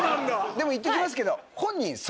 でも言っときますけど。